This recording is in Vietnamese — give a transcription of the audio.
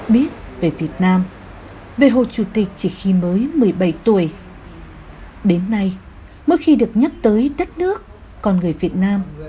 biết về việt nam về hồ chủ tịch chỉ khi mới một mươi bảy tuổi đến nay mỗi khi được nhắc tới đất nước con người việt nam